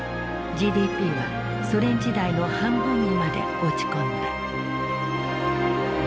ＧＤＰはソ連時代の半分にまで落ち込んだ。